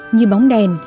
như bóng đèn